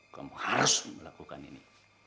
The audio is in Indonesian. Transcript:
kamu harus melakukan ini